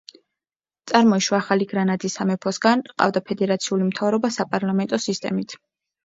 წარმოიშვა ახალი გრანადის სამეფოსგან, ჰყავდა ფედერაციული მთავრობა საპარლამენტო სისტემით.